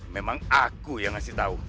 memang aku yang ngasih tahu